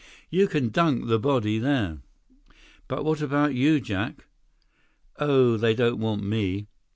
You can dunk the body there." "But what about you, Jack?" "Oh, they don't want me.